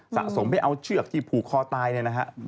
สะสมให้เอาเชือกที่ผูกคอตายเนี่ยนะฮะ